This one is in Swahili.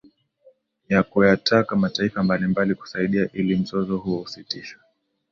na kuyataka mataifa mbalimbali kusaidia ili mzozo huo usitishwe